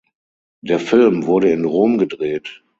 Der Film wurde in Rom gedreht.